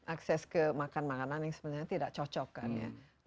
akses ke makan makanan yang sebenarnya tidak cocok kan ya